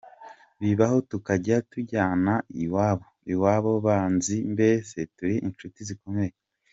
Bibaho tukajya tujyana iwabo , iwabo banzi mbese turi inshuti zikomeye.